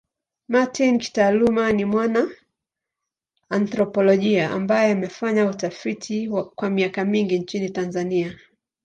Martin kitaaluma ni mwana anthropolojia ambaye amefanya utafiti kwa miaka mingi nchini Tanzania.